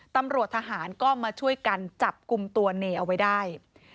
ตำรวจทหารก็มาช่วยกันจับกลุ่มตัวเนเอาไว้ได้